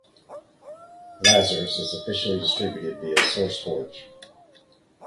Lazarus is officially distributed via Sourceforge.